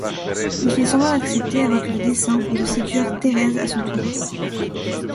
Il fait semblant d’accepter avec le dessein de séduire Thérèse à son tour.